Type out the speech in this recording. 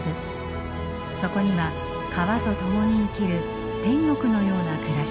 そこには川と共に生きる天国のような暮らしがあります。